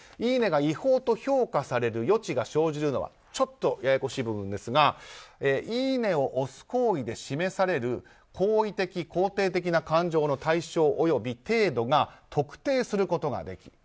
いいねが違法と評価される余地が生じるのはちょっとややこしい部分ですがいいねを押す行為で示される好意的・肯定的な感情の対象及び程度が特定することができ